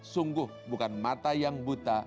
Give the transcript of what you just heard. sungguh bukan mata yang buta